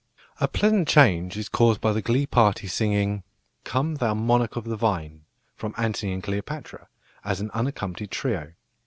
A pleasant change is caused by the glee party singing "Come, thou monarch of the vine," from Antony and Cleopatra, as an unaccompanied trio.